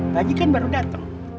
pak ji kan baru datang